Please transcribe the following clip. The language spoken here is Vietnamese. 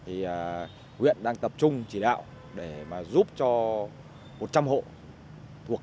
nguyện đang tập trung chỉ đạo để giúp cho một trăm linh hộ